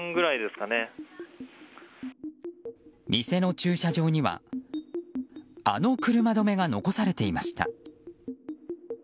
店の駐車場にはあの車止めが残されていました。